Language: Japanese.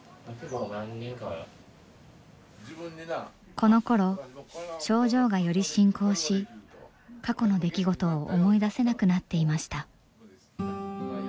このころ症状がより進行し過去の出来事を思い出せなくなっていました。